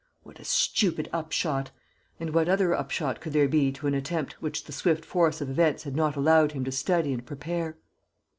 What a stupid upshot! And what other upshot could there be to an attempt which the swift force of events had not allowed him to study and prepare?